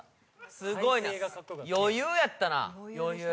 すごいな余裕やったな余裕